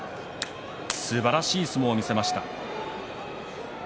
すばらしい相撲を見せました。